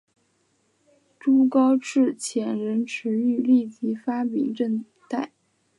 朱高炽遣人驰谕立即发廪赈贷。